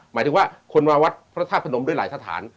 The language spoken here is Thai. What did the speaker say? หมายถึงว่าคนมาวัดพระธาตุพนมด้วยหลายสถาน